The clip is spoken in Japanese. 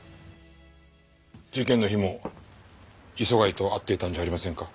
事件の日も磯貝と会っていたんじゃありませんか？